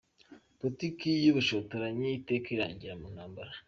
Politiki y’ubushotoranyi iteka irangirira mu ntambara.